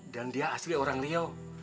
dan dia asli orang riau